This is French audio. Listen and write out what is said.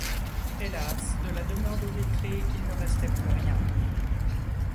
Hélas! de la demeure de Will-Tree, il ne restait plus rien !